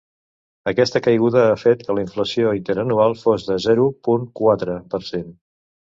Aquesta caiguda ha fet que la inflació interanual fos de -zero punt quatre per cent.